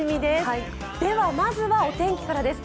ではまずはお天気からです。